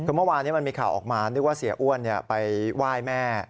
คือเมื่อวานนี้มันมีข่าวออกมานึกว่าเสียอ้วนไปไหว้แม่